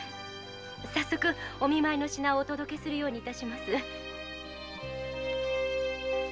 早速お見舞いの品をお届けするように致します。